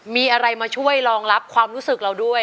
มีอะไรมาช่วยรองรับความรู้สึกเราด้วย